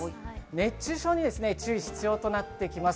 熱中症に注意が必要となってきます。